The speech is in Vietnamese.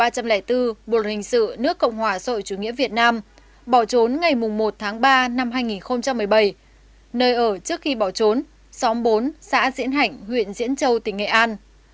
điều hai trăm linh bốn bộ luật hình sự nước cộng hòa sội chủ nghĩa việt nam bỏ trốn ngày một tháng ba năm hai nghìn một mươi bảy nơi ở trước khi bỏ trốn xóm bốn xã diễn hạnh huyện diễn châu tỉnh nghệ an